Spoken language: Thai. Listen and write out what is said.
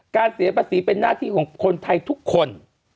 เสียภาษีเป็นหน้าที่ของคนไทยทุกคน